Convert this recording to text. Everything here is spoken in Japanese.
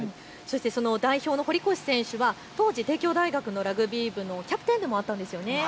代表の堀越選手は当時、帝京大学のラグビー部のキャプテンでもあったんですよね。